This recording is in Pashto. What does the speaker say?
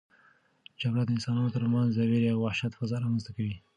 جګړه د انسانانو ترمنځ د وېرې او وحشت فضا رامنځته کوي.